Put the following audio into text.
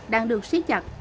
đang được siết chặt